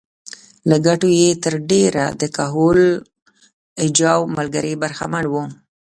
له ګټو یې تر ډېره د کهول اجاو ملګري برخمن وو.